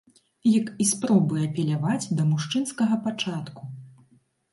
Як і спробы апеляваць да мужчынскага пачатку.